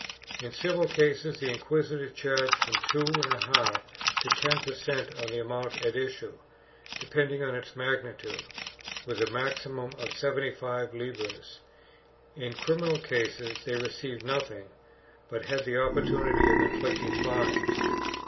In civil cases the inquisitors charged from two and a half to ten per cent, on the amount at issue, depending on its magnitude, with a maximum of seventy five libras; in criminal cases they received nothing but had the opportunity of inflicting fines.